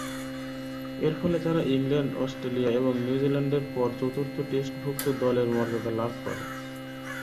এরফলে তারা England, Australia এবং নিউজিল্যান্ডের পর চতুর্থ টেস্টভূক্ত দলের মর্যাদা লাভ করে।